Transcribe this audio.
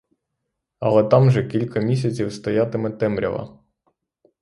Але там же кілька місяців стоятиме темрява.